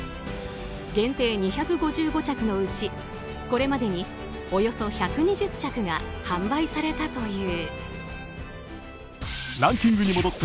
限定２５５着のうち、これまでにおよそ１２０着が販売されたという。